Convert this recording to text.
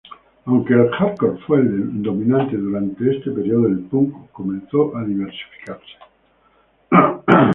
Aunque el hardcore fue el dominante durante este período, el punk comenzó a diversificarse.